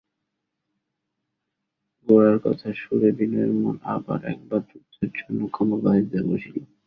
গোরার কথার সুরে বিনয়ের মন আবার একবার যুদ্ধের জন্য কোমর বাঁধিতে বসিল।